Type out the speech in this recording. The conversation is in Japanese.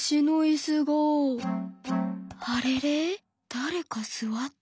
だれかすわった？」。